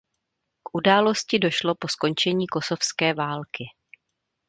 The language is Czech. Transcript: K události došlo po skončení kosovské války.